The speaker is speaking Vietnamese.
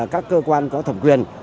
các cơ quan có thẩm quyền